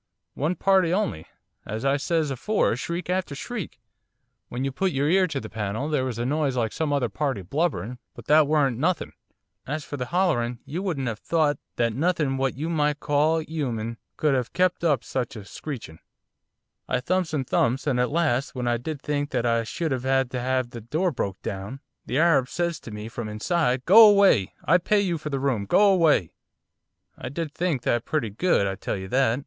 'One party only. As I says afore, shriek after shriek, when you put your ear to the panel there was a noise like some other party blubbering, but that weren't nothing, as for the hollering you wouldn't have thought that nothing what you might call 'umin could 'ave kep' up such a screechin'. I thumps and thumps and at last when I did think that I should 'ave to 'ave the door broke down, the Harab says to me from inside, "Go away! I pay for the room! go away!" I did think that pretty good, I tell you that.